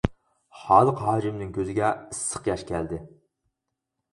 خالىق ھاجىمنىڭ كۆزىگە ئىسسىق ياش كەلدى.